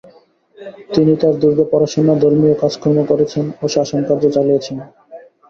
তিনি তার দুর্গে পড়াশোনা, ধর্মীয় কাজকর্ম করেছেন ও শাসনকার্য চালিয়েছেন।